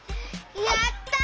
やった！